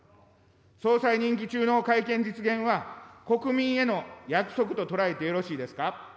総裁任期中の改憲実現は、国民への約束と捉えてよろしいですか。